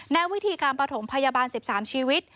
วิธีการประถมพยาบาล๑๓ชีวิต